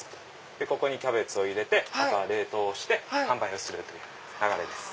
ここにキャベツを入れて冷凍して販売をする流れです。